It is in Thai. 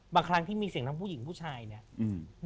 บางครั้งที่มีเสียงมีผู้หญลังผู้ชายเนี่ย